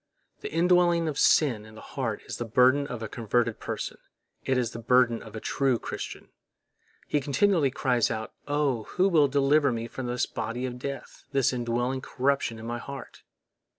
The indwelling of sin in the heart is the burden of a converted person; it is the burden of a true Christian. He continually cries out: "Oh! who will deliver me from this body of death, this indwelling corruption in my heart?"